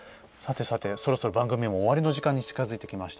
そろそろ番組も終わりの時間に近づいてきました。